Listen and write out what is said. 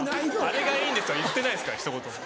あれがいいんですとは言ってないですからひと言も。